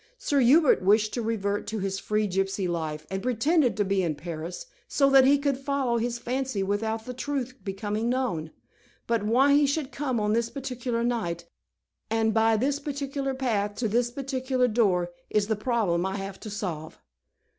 "Sir Hubert wished to revert to his free gypsy life, and pretended to be in Paris, so that he would follow his fancy without the truth becoming known. But why he should come on this particular night, and by this particular path to this particular door, is the problem I have to solve!"